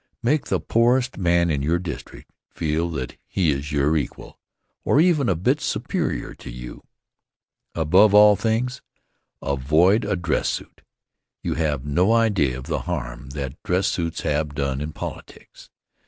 Make the poorest man in your district feel that he is your equal, or even a bit superior to you. Above all things, avoid a dress suit. You have no idea of the harm that dress suits have done in politics.